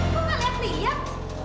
kok gak liat liat